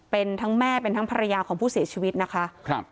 เป็นทั้งแม่เป็นทั้งภรรยาของผู้เสียชีวิตนะคะครับ